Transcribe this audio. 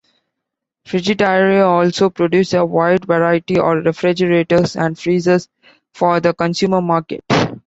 Frigidaire also produces a wide variety of refrigerators and freezers for the consumer market.